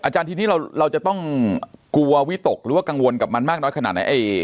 ทีนี้เราจะต้องกลัววิตกหรือว่ากังวลกับมันมากน้อยขนาดไหน